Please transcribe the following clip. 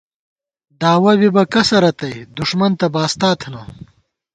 داوَہ بِبہ کسہ رتئ دُݭمن تہ باستا تھنہ